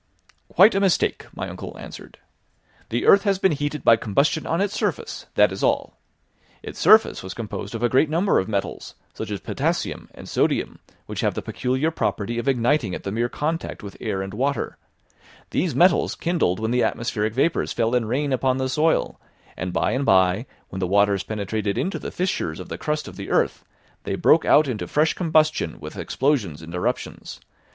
"Quite a mistake," my uncle answered. "The earth has been heated by combustion on its surface, that is all. Its surface was composed of a great number of metals, such as potassium and sodium, which have the peculiar property of igniting at the mere contact with air and water; these metals kindled when the atmospheric vapours fell in rain upon the soil; and by and by, when the waters penetrated into the fissures of the crust of the earth, they broke out into fresh combustion with explosions and eruptions.